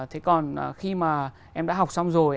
thế còn khi mà em đã học xong rồi